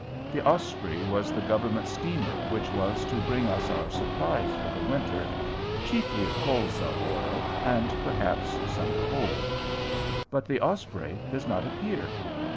The "Osprey" was the Government steamer which was to bring us our supplies for the winter, chiefly of colza oil, and perhaps some coal. But the "Osprey" does not appear.